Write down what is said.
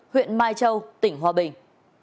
huyện mai châu tỉnh hòa bình